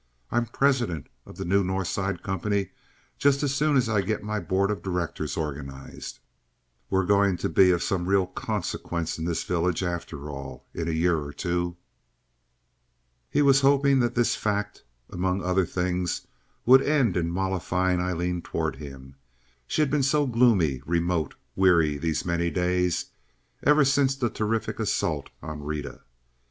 I'm president of the new North Side company just as soon as I get my board of directors organized. We're going to be of some real consequence in this village, after all, in a year or two." He was hoping that this fact, among other things, would end in mollifying Aileen toward him. She had been so gloomy, remote, weary these many days—ever since the terrific assault on Rita.